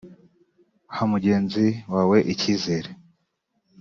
Ha mugenzi wawe icyizere